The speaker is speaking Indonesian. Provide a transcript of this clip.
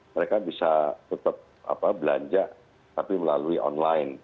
mereka bisa tetap belanja tapi melalui online